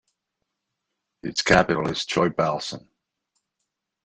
Its capital is Choibalsan.